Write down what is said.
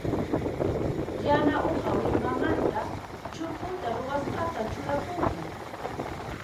Yana uha willmamanta chukuta ruwasqata churakunku.